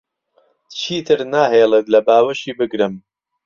چیتر ناهێڵێت لە باوەشی بگرم.